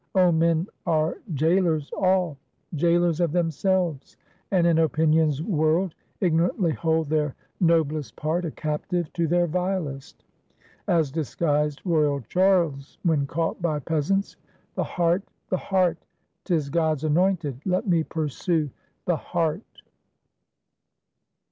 Oh, men are jailers all; jailers of themselves; and in Opinion's world ignorantly hold their noblest part a captive to their vilest; as disguised royal Charles when caught by peasants. The heart! the heart! 'tis God's anointed; let me pursue the heart!